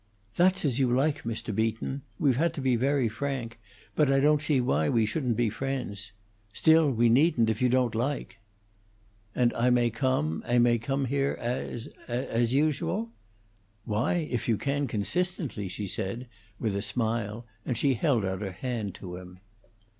"That's as you like, Mr. Beaton. We've had to be very frank, but I don't see why we shouldn't be friends. Still, we needn't, if you don't like." "And I may come I may come here as as usual?" "Why, if you can consistently," she said, with a smile, and she held out her hand to him.